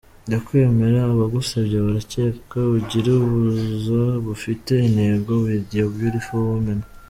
ndakwemera abagusebya bareke ugire ubuza bufite intego with yr beatful women.